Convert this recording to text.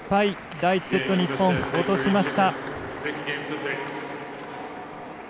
第１セット日本、落としました。